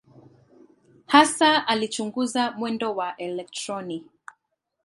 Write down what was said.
Hasa alichunguza mwendo wa elektroni.